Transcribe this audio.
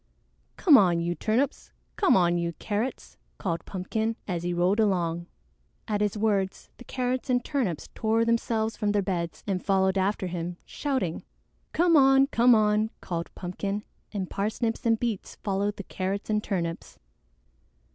"Come on, you Turnips! Come on, you Carrots!" called Pumpkin, as he rolled along. At his words the Carrots and Turnips tore themselves from their beds and followed after him, shouting. "Come on! Come on!" called Pumpkin, and Parsnips and Beets followed the Carrots and Turnips.